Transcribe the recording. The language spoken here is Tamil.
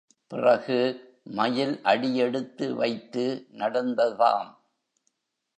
பிறகு, மயில் அடி எடுத்து வைத்து நடந்ததாம்.